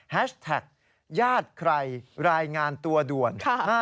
แฮชแท็กยาดใครรายงานตัวด่วน